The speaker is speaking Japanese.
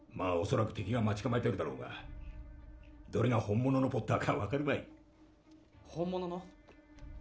恐らく敵が待ち構えてるだろうがどれが本物のポッターか分かるまい本物の？